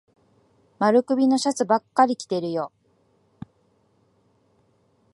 丸首のシャツばっかり着てるよ。